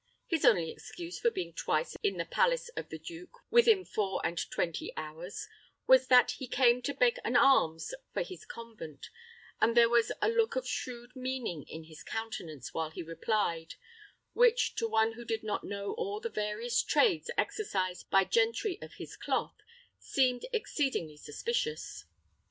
His only excuse for being twice in the palace of the duke within four and twenty hours was, that he came to beg an alms for his convent, and there was a look of shrewd meaning in his countenance while he replied, which to one who did not know all the various trades exercised by gentry of his cloth, seemed exceedingly suspicious.